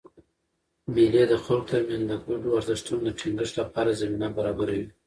مېلې د خلکو ترمنځ د ګډو ارزښتونو د ټینګښت له پاره زمینه برابروي.